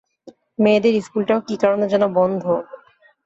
মেয়েদের স্কুলটাও কী কারনে যেন বন্ধ।